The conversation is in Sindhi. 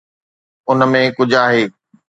ان ۾ ڪجهه آهي.